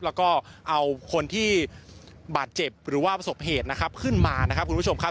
แล้วก็เอาคนที่บาดเจ็บหรือว่าประสบเหตุนะครับขึ้นมานะครับคุณผู้ชมครับ